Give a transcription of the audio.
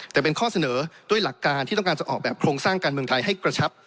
แต่เป็นข้อเสนอด้วยหลักการที่ต้องการจะออกแบบโครงสร้างการเมืองไทยให้กระชับ